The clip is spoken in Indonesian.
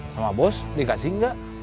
sama bos dikasih nggak